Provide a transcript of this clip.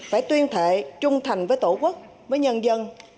phải tuyên thệ trung thành với tổ quốc với nhân dân